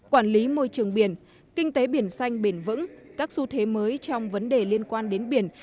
quản lý môi trường biển kinh tế biển xanh bền vững các xu thế mới trong vấn đề liên quan đến biển